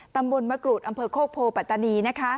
ตำบลมะกรูดอำเภอโคกโพปัตตานี